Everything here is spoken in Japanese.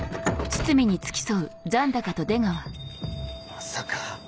まさか。